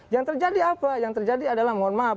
yang terjadi apa yang terjadi adalah mohon maaf